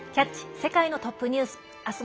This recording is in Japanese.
世界のトップニュース」。